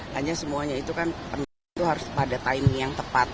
hanya semuanya itu kan harus pada timing yang tepat